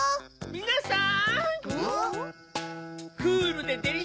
みなさん！